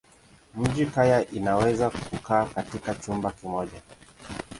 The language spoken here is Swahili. Mjini kaya inaweza kukaa katika chumba kimoja.